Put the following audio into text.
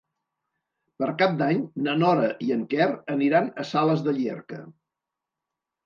Per Cap d'Any na Nora i en Quer aniran a Sales de Llierca.